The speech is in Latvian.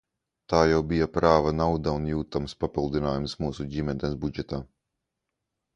Tā jau bija prāva nauda un jūtams papildinājums mūsu ģimenes budžetā.